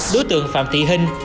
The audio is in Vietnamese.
đối tượng phạm thị hinh